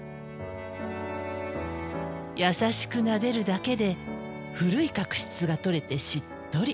優しくなでるだけで古い角質が取れてしっとり。